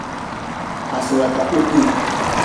aswata upuy.